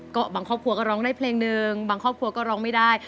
ก็บางครอบครัวก็ร้องได้เพลงหนึ่งบางครอบครัวก็ร้องไม่ได้